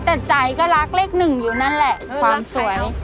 แต่ใจก็รักเลขหนึ่งอยู่นั่นแหละความสวย